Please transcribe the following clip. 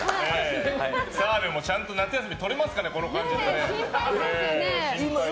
澤部もちゃんと夏休みとれますかね心配ですよね。